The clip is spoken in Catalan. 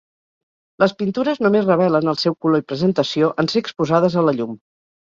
Les pintures només revelen el seu color i presentació en ser exposades a la llum.